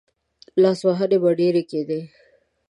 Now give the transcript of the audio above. لاسوهنې به ډېرې کېدې.